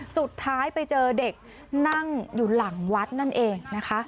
สุดท้ายไปเจอเด็กนั่งอยู่หลังวัดนั่นเองนะคะ